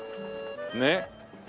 ねっ。